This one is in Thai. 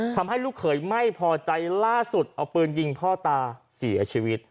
ลูกเขยไม่พอใจล่าสุดเอาปืนยิงพ่อตาเสียชีวิต